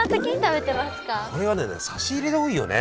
これは差し入れで多いよね！